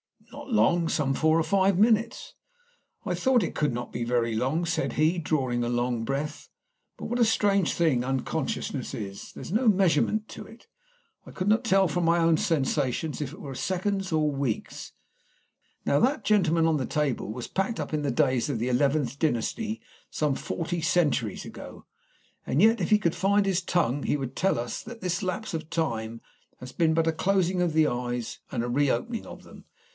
"Not long. Some four or five minutes." "I thought it could not be very long," said he, drawing a long breath. "But what a strange thing unconsciousness is! There is no measurement to it. I could not tell from my own sensations if it were seconds or weeks. Now that gentleman on the table was packed up in the days of the eleventh dynasty, some forty centuries ago, and yet if he could find his tongue he would tell us that this lapse of time has been but a closing of the eyes and a reopening of them.